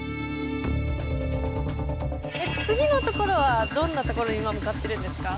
次のところはどんなところに今向かってるんですか？